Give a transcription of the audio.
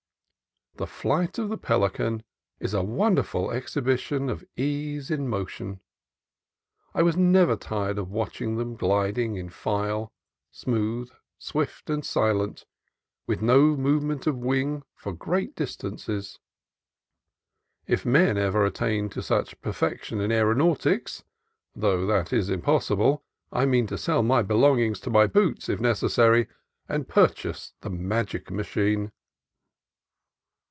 The flight of the pelican is a wonderful exhibition of ease in motion. I was never tired of watching them glid ing in file, smooth, swift, and silent, with no move ment of wing for great distances. If ever men attain to such perfection of aeronautics (though that is impossible), I mean to sell my belongings, to my boots, if necessary, and purchase the magic ma chine.